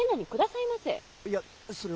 いやそれは。